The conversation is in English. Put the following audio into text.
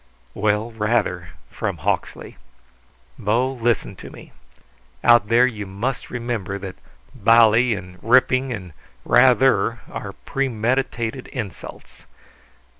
"Well, rather!" from Hawksley. "Bo, listen to me. Out there you must remember that 'bally' and 'ripping' and 'rather' are premeditated insults.